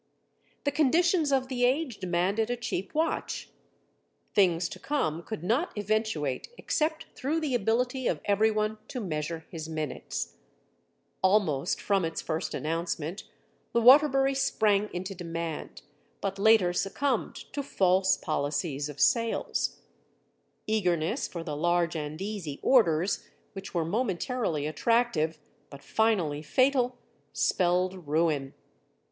The conditions of the age demanded a cheap watch. Things to come could not eventuate except through the ability of everyone to measure his minutes. Almost from its first announcement, the Waterbury sprang into demand, but later succumbed to false policies of sales. Eagerness for the large and easy orders, which were momentarily attractive but finally fatal, spelled ruin.